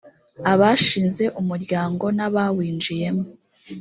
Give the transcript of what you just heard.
abashinze umuryango n abawinjiyemo